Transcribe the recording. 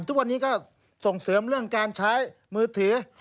ทุกวันนี้ก็ส่งเสริมเรื่องการใช้มือถือ